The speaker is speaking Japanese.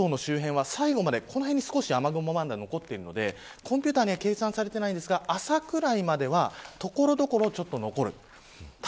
ただ、関東の周辺は最後までこの辺に少し雨雲が残っているのでコンピューターでは計算されていませんが朝くらいまでは所々ちょっと残る。